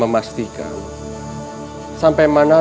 saya sudah jelaskan nanti